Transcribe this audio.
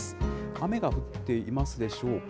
雨が降っていますでしょうか。